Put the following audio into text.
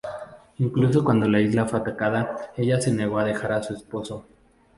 Incluso cuando la isla fue atacada, ella se negó a dejar a su esposo.